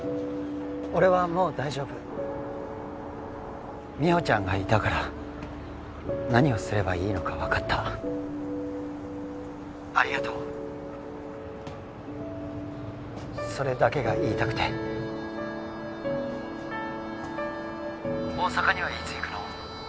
俺はもう大丈夫美穂ちゃんがいたから何をすればいいのか分かった☎ありがとうそれだけが言いたくて☎大阪にはいつ行くの？